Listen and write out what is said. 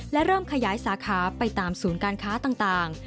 และเริ่มขยายสาขาไปตามศูนย์การค้าต่าง